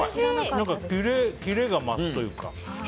キレが増すというか。